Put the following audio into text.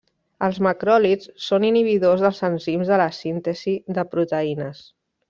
Els macròlids són inhibidors dels enzims de la síntesi de proteïnes.